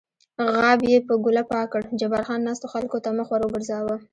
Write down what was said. غاب یې په ګوله پاک کړ، جبار خان ناستو خلکو ته مخ ور وګرځاوه.